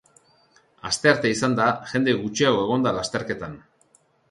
Asteartea izanda, jende gutxiago egon da lasterketan.